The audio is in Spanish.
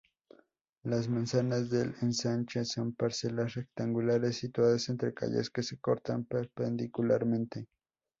Las manzanas del ensanche son parcelas rectangulares situadas entre calles que se cortan perpendicularmente.